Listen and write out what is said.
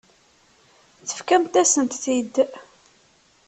Tefkamt-asent-t-id.